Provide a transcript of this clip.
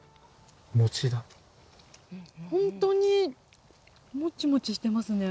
ほんとにもちもちしてますね。